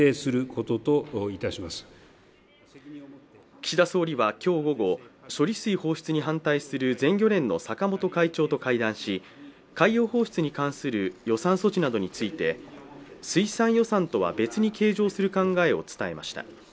岸田総理は今日午後、処理水放出に反対する全漁連の坂本会長と会談し、海洋放出に関する予算措置などについて、水産予算とは別に計上する考えを伝えました。